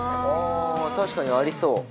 確かにありそう。